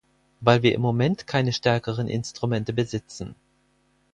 Weil wir im Moment keine stärkeren Instrumente besitzen.